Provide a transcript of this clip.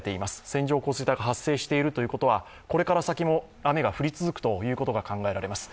線状降水帯が発生しているということはこれから先も雨が降り続くことが考えられます。